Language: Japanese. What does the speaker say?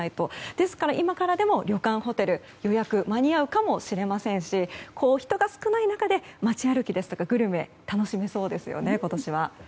ですから、今からでも旅館、ホテルの予約が間に合うかもしれませんし人が少ない中で街歩きですとかグルメ楽しめそうですよね、今年は。